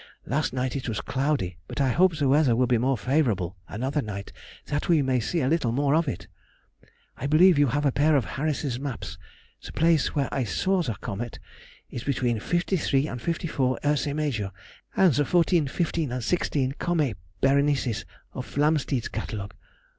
Last night it was cloudy, but I hope the weather will be more favourable another night, that we may see a little more of it. I believe you have a pair of Harris's maps; the place where I saw the comet is between 53 and 54 Ursæ Maj. and the 14, 15, and 16 Comæ Ber. of Flamsteed's Catalogue.